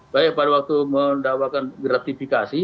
baik pada waktu mendakwakan gratifikasi